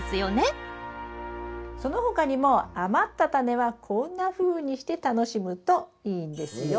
その他にも余ったタネはこんなふうにして楽しむといいんですよ。